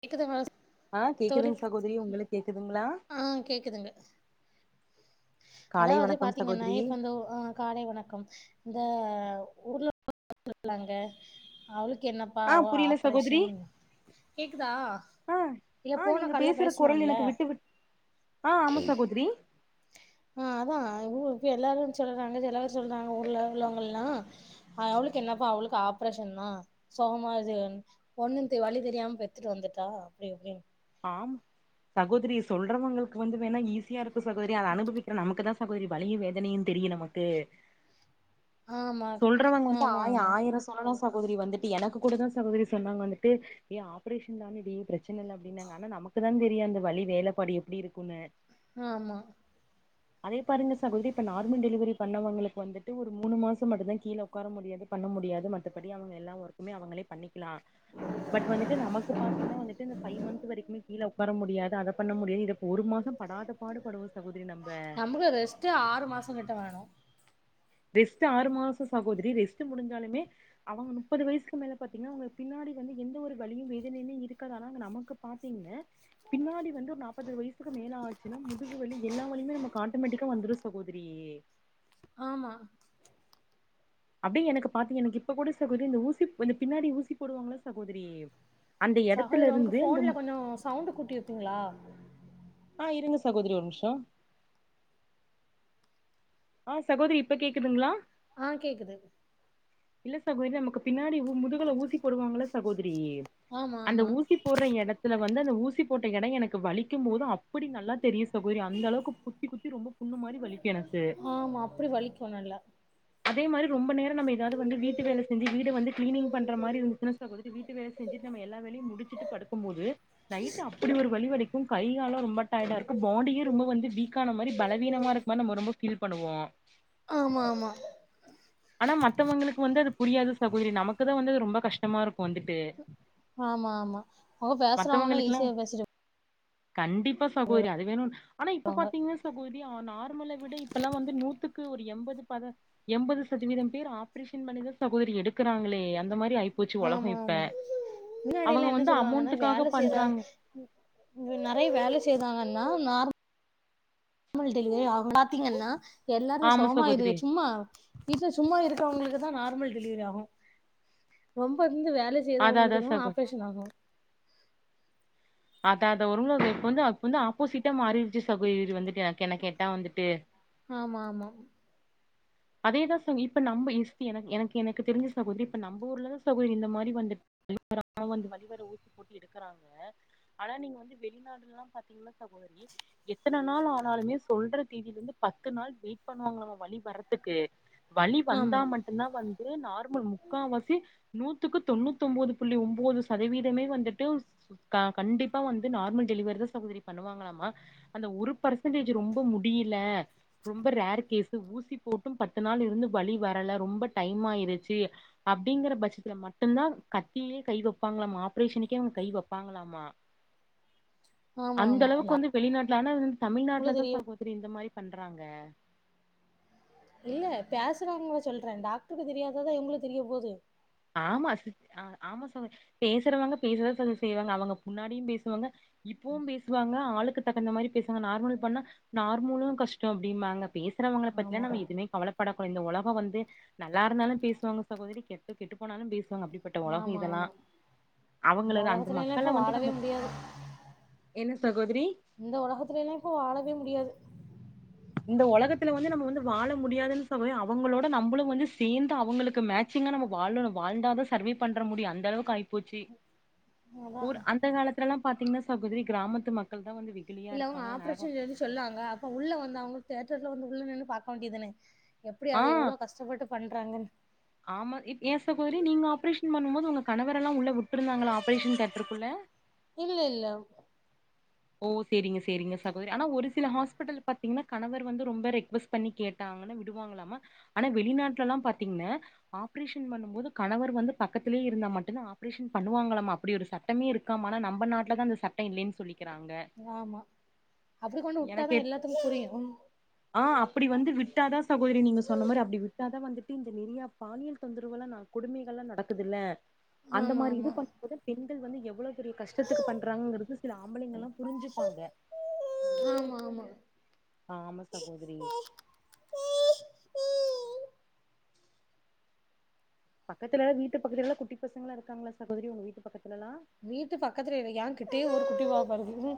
கேக்குது பாஸ் ஹா கேக்குதுங் சகோதரி உங்களுக்கு கேக்குதுங்ளா ஹ கேக்குதுங்க காலை அதாவது வணக்கம் பாத்தீங்கன்னா சகோதரி இப்ப இந்த அ காலை வணக்கம் இந்த ஊர்ல [inaudible] லங்க அவளுக்கு என்னப் ஆ பாவோ புரியல சகோதரி ஆப்ரேஷன் கேக்குதா ஆ இல்ல ஆ போன நீங்க கால்ல பேஸ்னோல்ல அ ஆமா சகோதரி அ அத்தா இப்ப எல்லாரு சொல்லுதாங்க சில பேர் சொல்றாங்க ஊர்ல உள்ளவங்க எல்லா அவுளுக்கு என்னப்பா அவுளுக்கு ஆப்ரேஷன்தா சுகமாது ஒண்ணும் தெ வலி தெரியாம பெத்துட்டு வந்துட்டா அப்டி இப்டின்னு ஆம் சகோதரி சொல்றவங்களுக்கு வந்து வேணா ஈஸியா இருக்கும் சகோதரி அத அனுபவிக்கிற நமக்கு தா சகோதரி வலிய வேதனையு தெரியு நமக்கு ஆமா சொல்றவங்க வந்து ஆமா ஆய ஆமா ஆயரோ சொல்ல சகோதரி வந்துட்டு எனக்கு கூட தா சகோதரி சொன்னாங்க வந்துட்டு ஏ ஆப்ரேஷன் தானடி ப்ரச்சன இல்ல அப்டினாங்க ஆனா நமக்குதா தெரியு அந்த வலி வேலப்பாடு எப்டி இருக்குன்னு ஆமா அதே பாருங்க சகோதரி இப்ப நார்ம டெலிவரி பண்ணவங்களுக்கு வந்துட்டு ஒரு மூணு மாச மட்டுதா கீழ உக்கார முடியாது பண்ண முடியாது மத்தபடி அவுங்க எல்லா ஒர்க்குமே அவுங்களே பண்ணிக்கலா பட் வந்துட்டு நமக்கு பாத்தீங்ன்னா வந்துட்டு இந்த ஃபைவ் மந்த் வரைக்குமே கீழ உக்கார முடியாது அத பண்ண முடியாது இத ஒரு மாச படாத பாடு படுவோ சகோதரி நம்ப நமக்கு ரெஸ்ட்டு ஆறு மாசோ கிட்ட வேணு ரெஸ்ட் ஆறு மாச சகோதரி ரெஸ்ட்டு முடிஞ்சாலுமே அவங்க முப்பது வயசுக்கு மேல பாத்தீன்னா அவுங்க பின்னாடி வந்து எந்த ஒரு வலியு வேதனையிலையு இருக்காது ஆனா அங்க நமக்கு பாத்தீங்கன்ன பின்னாடி வந்து ஒரு நாப்பது வயசுக்கு மேல ஆச்சுன்னா முதுகு வலி எல்லா வலியுமே நமக்கு ஆட்டோமேட்டிக்கா வந்துடு சகோதரியே ஆமா அப்டியே எனக்கு பாத்தீங்க எனக்கு இப்ப கூட சகோதரி இந்த ஊசிப் வந்து பின்னாடி ஊசி போடுவாங்களா சகோதரி அந்த எடத்துல சகோதரி உனக்கு இருந்து அந்த ஃபோன்ல மு- கொஞ்சோ சவுண்டு கூட்டி வப்பீங்களா ஆ இருங்க சகோதரி ஒரு நிம்ஷோ ஆ சகோதரி இப்ப கேக்குதுங்ளா ஆ கேக்குது இல்ல சகோதரி நமக்கு பின்னாடி மு முதுகல ஊசி போடுவாங்கள சகோதரி ஆமா அந்த ஆமா ஊசி போடுற எடத்துல வந்து அந்த ஊசி போட்ட எடோ எனக்கு வலிக்கு போது அப்டி நல்லா தெரியு சகோதரி அந்த அளவுக்கு குத்தி குத் தி ரொம்ப புண்ணு மாரி வலிகி எனக்கு ஆமா அப்டி வலிக்கு நல்லா அதே மாரி ரொம்ப நேர நம்ம ஏதாது வந்து வீட்டு வேல செஞ்சி வீடு வந்து கிளீனிங் பண்ற மாரி இருந்துச்சுன சகோதரி வீட்டு வேல செஞ்சுட்டு நம்ம எல்லா வேலையு முடிச்சுட்டு படுத் கு போது நைட் அப்டி ஒரு வலி வலிக்கு கை கால்லா ரொம்ப டயர்டா இருக்கு பாடியே ரொம்ப வந்து வீ க்கான மாரி பலவீனமாருக் மாரி நம்ம ரொம்போ ஃபீல் பண்ணுவோ ஆமா ஆமா ஆனா மத்தவங்களுக்கு வந்து அது புரியாது சகோதரி நமக்குதா வந்து அது ரொம்ப கஷ்டமா இருக்கு வந்துட்டு ஆமா ஆமா அவுங்க பேஸ்றவங்கல்லா மத்தவங்களுக்குல்லா ஈஸியா பேசிட்டு கண்டிப்பா சகோதரி அது வேணு ஆனா இப்ப பாத்தீங்கன்னா ச கோதரி ஆ நார்மல விட இப்பல்லா வந்து நூத்துக்கு ஒரு எண்பது பத எண்பது சதவீத பேர் ஆப்ரேஷன் பண்ணிதா சகோதரி எடுக்கிறாங்களே அந்த மாரி அய் ஆமா ஆமா அவங்க முன்னாடியெல்லா என்ன வந்து சொல்லுவாங்கன்னா அமௌண்ட்டுக்காக வேல செய்றா பண்றாங்க நெறைய வேல செய்தாங்கன்னா நார் மல் டெலிவரி ஆகு பாத்தீங்கன்னா எல்லாரு ஆமா சோகமா இது சகோதரி சும்மா வீட்ல சும்மா இருக்கவங்களுக்குதா நார்மல் டெலிவரி ஆகு ரொம்ப இருந்து வேல செய்த அத அதா அவுங்களுக்கு தா சகோ ஆப்ரேஷன் ஆகு அத அதா [inaudible] இப்ப வந்து அப்ப வந்து ஆப்போசிட்டா மாறிடுச்சு சகோரி வந்துட்டு எனக்கு என்ன கேட்டா வந்துட்டு ஆமா ஆமா அதேதா [inaudible] இப்ப நம்ம இஸ்தி எனக்கு எனக்கு எனக்கு தெரிஞ்ச சகோதரி இப்ப நம்ம ஊர்லதான சகோதிரி இந்த மாரி வந்துட் வலிவராம வந்து வலிவர ஊசி போட்டி எடுக்கிறாங் ஆனா நீங்க வந்து வெளிநாடுல்லா பாத்தீங்கன்னா சகோ தரி எத்தன நாள் ஆனாலுமே சொல்ற தேதியில இருந்து பத்து நாள் வெயிட் பண்ணுவாங்களமா வலி வர்றத் ந்துட்டு வலி வந்தா ஆமா மட்டுந்தா வந்து நார்மல் முக்காவாசி நூத்துக்கு தொண்ணூத்து ஒம்போது புள்ளி ஒம்போது சதவீதமே வந்துட்டு க கண்டிப்பா வந்து நார்மல் டெலிவரிதா சகோதரி பண்ணுவாங்களாமா அந்த ஒரு பர்சன்டேஜ் ரொம்ப முடியில ரொம்ப ரேர் கேஸ் ஊசி போட்டும் பத்து நாள் இருந்து வலி வரல, ரொம்ப டைம் ஆயிடுச்சு அப்டிங்கிற பட்சத்துல மட்டும்தா கத்திலேயே கை வப்பாங்களாமா ஆப்ரேஷனுக்கே அவங்க கை வப்பாங்களாமா ஆமா அந்த ஆமா அளவுக்கு வந்து வெளிநாட்டுல ஆனா அது வந்து டாக்டருக்கு தமிழ்நாட்டுலதா தெரியு சகோதரி இந்த மாரி பண்றாங்க இல்ல பேசுறவங்கள சொல்றே டாக்டருக்கு தெரியாததா இவங்களுக்கு தெரிய போது ஆமா சிஸ் ஆ ஆமா சகோத பேசுறவாங்க பேசதா சகோதரி செய்வாங்க அவங்க முன்னாடியு பேசுவாங்க இப்பவு பேசுவாங்க ஆளுக்கு தகுந்த மாரி பேசுவாங்க, நார்மல் பண்ணா நார்மலு கஷ்டோ அப்டிம்பாங்க பேசுறவங்கள பத்திலா ஆமா நம்ம எதுவுமே கவலப்படக்கூடாது, இந்த உலக வந்து நல்லா இருந்தாலு பேசுவாங்க சகோதரி இப்ப கெட்டு போனாலு பேசு வாங்க அப்டிப்பட்ட ஒலகம் ஆமா இதெல்லா ஆமா இந்த அவங்களது அந்த உலகத்துலல்லா இப்ப மக்கள வந்து வாழவே நம்ம முடியாது என்ன சகோதரி இந்த உலகத்துலயிலா இப்ப வாழவே முடியாது இந்த உலகத்துல வந்து நம்ம வந்து வாழ முடியாதுன்னு சகோதரி அவங்களோட நம்புளு வந்து சேந்து அவங்களுக்கு மே ட்சிங்கா நம்ம வாழணு வாழ்ந்தாதா சர்வே பண்ற முடியு அந்தளவுக்கு ஆயிப்போச்சு அதா ஊர் அந்த காலத்துலலா பாத்தீங்னா சகோதரி கிராமத்து மக்கள்தா வந்து வெ இல்ல அவங்க ஆப்ரேஷன் சேதி சொல்லுவாங்க அப்ப உள்ள வந்து அவங்க தேட்டர்ல வந்து உள்ள நின்னு பாக்க வேண்டியது தான எப்டி ஆ அத எவ்ளோ கஷ்டப்பட்டு பண்றாங்கனு ஆமா ஏ சகோதரி நீங்க ஆப்ரேஷன் பண்ணுபோது உங்க கணவரெல்லா உள்ள வுட்டுருந்தாங்ளா ஆப்ரேஷன் தேட்டருக்குள்ள இல்ல இல்ல ஓ சேரிங்க சேரிங்க சகோதரி ஆனா ஒரு சில ஹாஸ்பிடல் பாத்தீங்கன்னா கணவர் வந்து ரொம்ப ரெக்கொஸ்ட் பண்ணி கேட்டாங்கனா விடுவாங்லாமா ஆனா வெளிநாட்லலா பாத்தீங்னா ஆப்ரேஷன் பண்ணும்போது கணவர் வந்து பக்கத்திலயே இருந்தா மட்டுந்தா ஆப்ரேஷன் பண்ணுவாங்களாமா அப்படி ஒரு சட் டமே இருக்காமா ஆனா நம்ம நாட்லதா அந்த சட்ட இல்லைன்னு சொல்லிக்கிறாங்க ஆமா அப்டி கொண்டு எனக்கு வுட்டாதா எப் எல்லாத்துக்கு புரியு ம் ஆ அப்டி வந்து விட்டாதா சகோதரி நீங்க சொன்ன மாரி அப்டி விட்டாதா வந்துட்டு இந்த நிறையா பாலியல் தொந்தரவுலா அ கொடுமைகள்லா நடக்குதுல அந்த ஆமா மாரி இது ஆமா பண்ணும்போது பெண்கள் வந்து எவ்ளோ பெரிய கஷ்டத்துக்கு பண்றாங்கங்றது சில ஆ ண்கள்லா புரிஞ்சுப்பாங்க ஆமா ஆமா ஆமா சகோதரி பக்கத்துலல்லா வீட்டு பக்கத்துலல்லா குட்டி பசங்களல்லா இருக்காங்களா சகோதரி உங்க வீட்டு பக்கத்துலல்லா வீட்டு பக்கத்துல இல்ல ஏங் கிட்டயே ஒரு குட்டி பாப்பா இருக்குது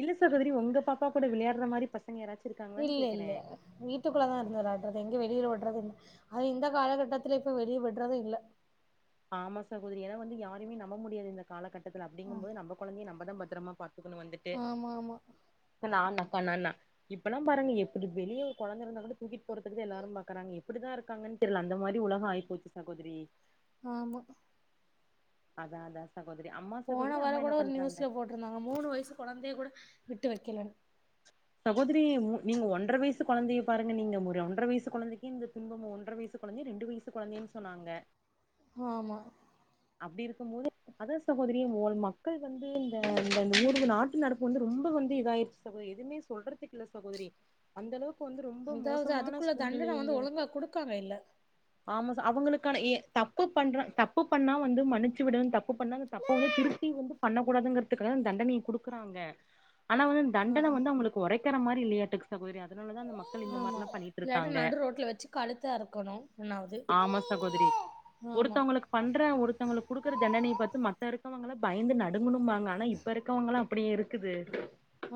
இல்ல சாகோதரி உங்க பாப்பா கூட விளையாட்ற மாரி பசங் இல்ல இல்ல வீட்டுக்குள்ளதா இருந்து விளாட்றது எங்க வெளிய விட்றது இல்ல அது இந்த காலகட்டத்துல இப்ப வெளிய விட்றது இல்ல ஆமா சகோதரி ஏன்னா வந்து யாரையுமே நம்ப முடியாது இந்த காலகட்டத்துல அப்டிங்கும்போது நம்ப குழந்தைய நம்பதா பத்திரமா பாத்துக்கணு வந்துட்டு ஆமா ஆமா இப்ப நான்னாக்கா நானா இப்பெல்லா பாருங்க எப்புடி வெளிய ஒரு கொழந்த இருந்தா கூட தூக்கிட்டு போறதுக்குதா எல்லாரு பாக்கறாங்க எப்படிதா இருக்கான்னு தெரில அந்த மாரி உலக ஆயிப்போச்சு சகோதரி ஆமா அதா அதா சகோதரி அம்மா சகோதரி அம்மா என்ன பண்றாங்க ட்ருந்தாங்க மூணு வயசு கொழந்தைய கூட விட்டு வைக்கல சகோதரி நீங்க ஒன்ற வயசு கொழந்தைய பாருங்க நீங்க ஒரு ஒன்ற வயசு கொழந்தைக்கு இந்த துன்பம் ஒன்ற வயசு கொழந்தையா ரெண்டு வய து கொழந்தைனு சொன்னாங்க ஆமா அப்டி இருக்கும் போது அதா சகோதரி மக்கள் வந்து இந்த இந்த நூரு நாட்டு நடப்பு வந்து ரொம்ப வந்து இதாயிச்சு சகோதரி எதுமே சொல்றத்கில்ல சகோதரி அந்த அளவுக்கு வந்து ரொம்ப அதாவது மோசமான அதுக்குள்ள தண்டன வந்து சூழ்நிலைங்க ஒழுங்கா குடுக்காங்க இல்ல ஆமா சகோ அவங்களுக்கான எ தப்பு பண்ற தப்பு பண்ணா வந்து மன்னிச்சு விடுனு தப் தப்பு பண்ணா அந்த தப்ப வந்து திருப்பி வந்து பண்ணக் கூடாதுங்கறதுக்காக தா தண்டனைய குடுக்குறாங்க ஆனா வந்து ஆ தண்டன வந்து அவங்களுக்கு ஒறைக்கற மாரி இல்லையாட்டுக் சகோதரி அதனாலதா அந்த மக்கள் இந்த ஆமா மாற்லா இல்லாட்டி பண்ணிட்ருக்காங்க நடு ரோட்ல வச்சு கழுத்த அறுக்கணு ஆமா சகோதரி ஆம் ஒருத்தவங்களுக்கு பண்ற ஒருத்தவங்களுக் குடுக்குற தண்டனைய பாத்து மத்த இருகவங்களா பயந்து நடுங்கனு பாங்க ஆனா இப் ப்ப இருக்கவங்களா அப்படி இருக்குது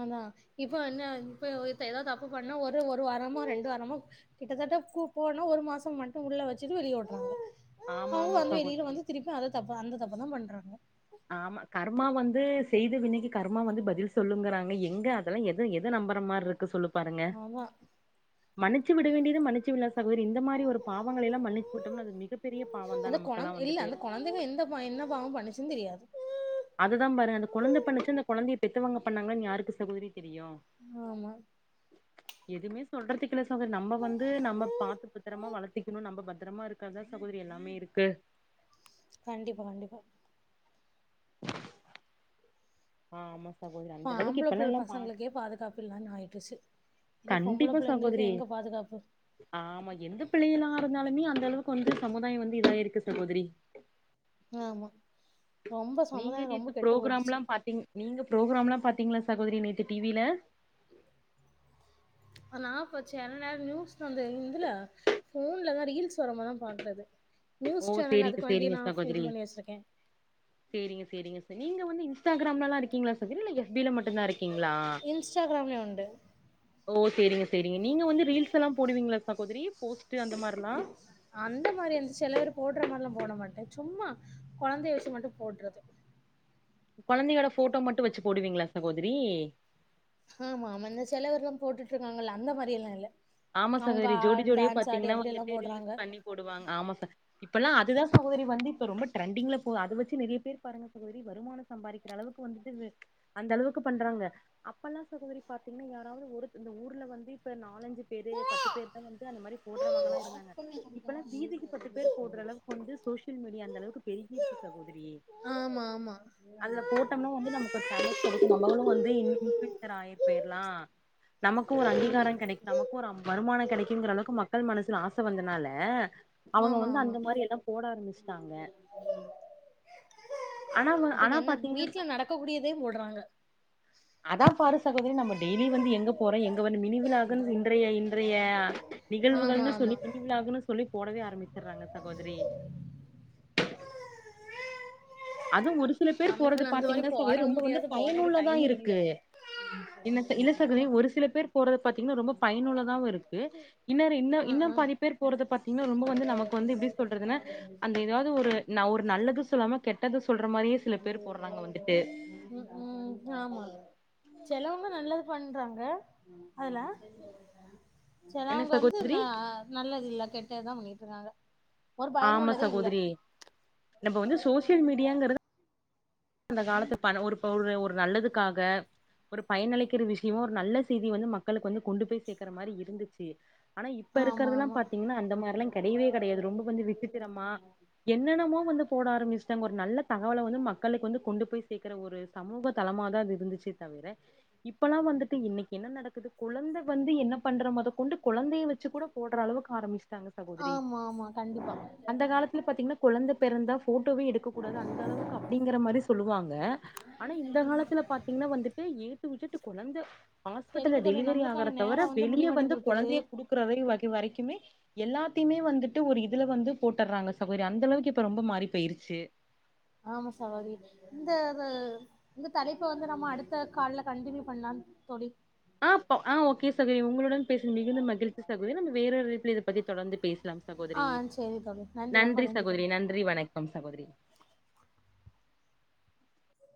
அதா இப்ப என்ன இப்ப ஏதாது தப்பு பண்ணா ஒரு ஒரு வாரமோ ரெண்டு வாரமோ கிட்டத்தட்ட பூபோனா ஒரு மாசம் மட்டும் உள்ள வச்சுட்டு வெளியே வுடுறாங்க ஆமா அவங்க ஆமா வந்து வெளியில சகோதரி வந்து திருப்பி அத தப்ப அந்த தப்ப தா பண்றாங்க ஆமா கர்மா வந்து செய்த வினைக்கு கர்மா வந்து பதில் சொல்லுங்கிறாங்க எங்க இப்பலா எது எது நம்பற மாரி இருக்கு சொல்லு பாருங்க ஆமா [inaudible] மன்னிச்சு விட வேண்டியது மன்னிச்சு விலா சகோதரி இந்த மாரி ஒரு பாவங்கல எல்லா மன்னிச்சு விட்டோம்னா அது மிகப் பெரிய பாவந்தா நமக்கு அங்கல்லா வந்துட்டு இதுக எந்த என்ன பாவ பண்ணிச்சுன் தெரியாது அதுதா பாரு அந்த கொழந்த பண்ணுச்சா அந்த கொழந்தைய பெத்தவங்க பண்ணாங்களானு யாருக்கு சகோதரி தெரியு ஆமா [inaudible] எதுமே சொல்றதுக்கில்ல சகோதரி நம்ப வந்து நம்ப பாத்துகுறமா வளர்த்திக்கணு நம்ம பத்திரமா இருக் கதா சகோதரி எல்லாமே இருக்கு கண்டிப்பா கண்டிப்பா [inaudible] ஆமா சகோதர ப்ப ஆம்பள பிள்ளை பசங்களுக்கே பாதுகாப் பில்லனு ஆய்றுச்சு இல்ல பொம்பள கண்டிப்பா பிள்ளைங்களுக்கு சகோதரி எங்க பாதுகாப்பு ஆமா எந்த பிள்ளை எல்லா இருந்தாலுமே அந்த அளவுக்கு வந்து சமுதாய வந்து இதா இருக்கு சகோதரி ஆமா ரொம்ப நீங்க சமுதாயோ ரொம்ப நேத்து கெட்டு போயிடுச்சு ப்ரோக்ராம்லா பாத்தீங் நீங்க ப்ரோக்ராம்லா பாத்தீங்ளா சகோதரி நேத்து டிவில நான் போச்சு செல நேரோ நியூஸ் வந்த இதுல போன்லதா ரீல்ஸ் வரமதா பாக்குறது நியூஸ் ஓ சேனல் சேரிங்க அதுக்காண்டி சேரிங்க நாஃ இது பண்ணி வச்சிருக்கே செரிங்க செரிங்க செரி நீங்க வந்து இன்ஸ்டாகிராம்லலா இருக்கீங்களா ஸ் இல்ல எஃப்பில மட்டுந்தா இருக்கீங்ளா இன்ஸ்டாகிராம்லயு உண்டு ஓ சேரிங்க சேரிங்க நீங்க வந்து ரீல்ஸ் எல்லா போடுவீங்களா சகோதரி போஸ்ட் அந்த மாரி எல்லா அந்த மாரி வந்து செல வேர் போட்ற மாரிலா போட மாட்டே சும்மா கொழந்தைய வெச்சு மட்டு போட்றது கொழந்தைையோட ஃபோட்டோ மட்டு வெச்சு போடுவீங்ளா சகோதரி ஆமாம்மா இந்த செலவேர்லா போட்டுட்ருக்காங்கல்ல அந்த மாரியெல்லா இல்ல ஆமா அவங்க சகோதரி ஆ ஜோடி ஜோடியா டான்ஸ் ஆடி பாத்தீங்கனா அப்படி எல்லா வந்துட்டு ரீல்ஸ் போடுறாங்க பண்ணி போடுவாங்க ஆமா ச இப்பலா அதுதா சகோதரி வந்து இப்ப ரொம்ப ட்ரெண்டிங்ல போகுது அத வெச்சு நெறைய பேரு பாருங்க சகோதரி வருமான சம்பாரிக்கிற அளவுக்கு வந்துட்டு இது அந்தளவுக்கு பண்றாங்க அப்பலா சகோதரி பாத்தீங்னா யாராவ்து ஒருத் இந்த ஊர்ல வந்து இப்ப நாலஞ்சு பேரு பத்து பேரு தா வந்து அந்த மாரி போட்றவங்களா இருந்தாங்க இப்பலா வீதிக்கு பத்து பேர் போட்ற அளவுக்கு வந்து சோஷியல் மீடியா அந்த அளவுக்கு பெருகிருக்கு சகோதரி ஆமா ஆமா போட்டம்னா வந்து நமக்கு ஒரு ஃபேமஸ் கெடைக்கு நம்மளு வந்து இனி இன்ஸ்பெக்ஷன வாங்கிட்டு போய்ர்லா நமக்கு ஒரு அங்கீகார ஆமா கெடைக்காம பூரா வருமான கெடைக்குங்குற அளவுக்கு மக்கள் மனசுல ஆச வந்தனால அவங்க ஆமா வந்து ஆமா அந்த மாரியெல்லா போட ஆரம்மிச்சிட்டாங்க ஆனா இவங்கெ ஆனா என்ன பாத்தீங்கன்னா வீட்ல நடக்கக் கூடியதையு போட்றாங்க அதா பாரு சகோதரி நம்ம டெய்லி வந்து எங்க போறோ எங்க வர மினிவிலாக்குன் இன்றைய இன்றைய ஆமா நிகழ்வுகள்னு ஆமா சொல்லி மினிவிலாக்குனு சொல்லி போடவே ஆரம்மிச்சுட்றாங்க சகோதரி அதுவு ஒரு சில பேர் போட்றத நம்மளுக்கு அந்த மாரி பாத்தீங்னா சகோதரி போடவு ரொம்ப வந்து முடியாது போடக்கு பயனுள்ளதா டைமு இல்ல இருக்கு இன்ன இல்ல சகோதரி ஒரு சில பேர் போட்றத பாத்தீங்கனா ரொம்ப பயனுள்ளதாவு இருக்கு இன்னொரு இன்ன ஆ இன்னு ஆ பாதி பேர் போட்றத பாத்தீங்னா ரொம்ப வந்து நமக்கு வந்து எப்டி சொல்றதுனா அந்த எதாவ்து ஒரு நா ஒரு நல்லது சொல்லாம கெட்டது சொல்ற மாரியே சில பேர் போட்றாங்க வந்துட்டு ம் ம் ஆமா செலவ்ங்க நல்லது பண்றாங்க அதுல என்ன செலவ்ங்க வந்து சகோதரி ந நல்லது இல்ல கெட்டது தா பண்ணிட்ருக்காங்க ஒரு ஆமா பயனுள்ளதே இல்ல சகோதரி நம்ம வந்து இந்த காலத்து பண ஒரு பவுரு ஒரு நல்லதுக்காக ஒரு பயனளிக்கிற விஷ்யமா ஒரு நல்ல செய்தி வந்து மக்களுக்கு வந்து கொண்டு போய் சேக்குற மாரி இருந்துச்சு ஆனா இப்ப ஆமா இருக்கிறதுலா ஆமா பாத்தீங்னா அந்த மார்லா கெடையாவே கெடையாது ரொம்ப கொஞ்ச விசித் திரமா என்னென்னமோ வந்து போட ஆரம்மிச்டாங்க ஒரு நல்ல தகவல வந்து மக் க்களுக்கு வந்து கொண்டு போய் சேக்குற ஒரு சமூக தலமாதா அது இருந்துச்சே தவிர இப்பலா வந்துட்டு இன்னைக்கு என்ன நடக்குது கொழந்த வந்து என்ன பண்ற மொத கொண்டு கொழந்தைய வெச்சு கூட போட்ற அளவுக்கு ஆரம்மிச்சுட்டாங்க சகோதரி ஆமா ஆமா கண்டிப்பா அந்த காலத்துல பாத்தீங்னா கொழந்த பெறந்தா ஃபோட்டோவே எடுக்க கூடாது அந்த அளவுக்கு அப்டிங்கிற மாரி சொல்லுவாங்க ஆனா இந்த காலத்துல பாத்தீங்னா வந்துட்டு ஏ டூ இஜெட்டு கொழந்த ஹாஸ்பிட்டல்ல சரிங்க தோழி டெலிவெரி ஆகற நம்மளுக்கான தவர நேரோ வெளிய வந்து முடிவடைந்து விட்டது கொழந்தைய குடுக்குறதையு வகை வரைக்குமே எல்லாத்தையுமே வந்துட்டு ஒரு இதுல வந்து போட்டுறாங்க சகோதரி அந்த அளவுக்கு இப்ப ரொம்ப மாறி போயிருச்சு ஆமா சகோதரி இந்த இத இந்த தலைப்ப வந்து நம்ம அடுத்த கால்ல கண்டினியூ பண்ணலா தோழி ஆ போ ஆ ஓகே சகோதரி உங்களுடன் பேசுனது மிகுந்த மகிழ்ச்சி சகோதரி நம்ம வேறொரு இணைப்புல இதப்பத்தி தொடந்து பேசலா ஆ சகோதரி சரி தோழி ரொம்ப நன்றி தோழி சகோதரி நன்றி வணக்கம் சகோதரி